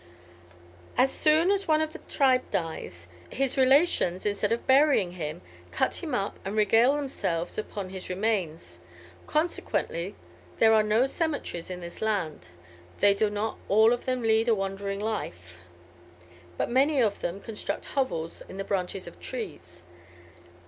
"As soon as one of the tribe dies, his relations, instead of burying him, cut him up and regale themselves upon his remains; consequently there are no cemeteries in this land. They do not all of them lead a wandering life, but many of them construct hovels of the branches of trees.